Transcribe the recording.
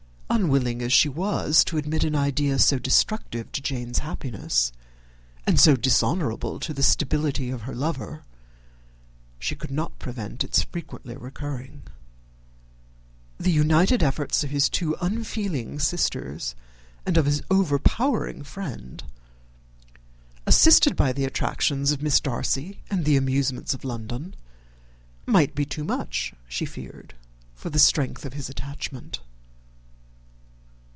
Unwilling as she was to admit an idea so destructive to Jane's happiness, and so dishonourable to the stability of her lover, she could not prevent its frequently recurring. The united efforts of his two unfeeling sisters, and of his overpowering friend, assisted by the attractions of Miss Darcy and the amusements of London, might be too much, she feared, for the strength of his attachment.